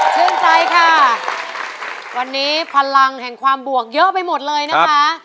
ชื่นใจค่ะวันนี้พลังแห่งความบวกเยอะไปหมดเลยนะคะ